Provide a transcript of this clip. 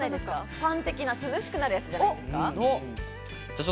ファン的な、涼しくなるやつじゃないですか？